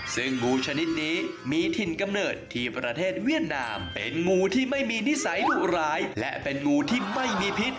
ซึ่งงูชนิดนี้มีถิ่นกำเนิดที่ประเทศเวียดนามเป็นงูที่ไม่มีนิสัยดุร้ายและเป็นงูที่ไม่มีพิษ